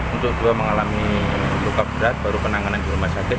untuk dua mengalami luka berat baru penanganan di rumah sakit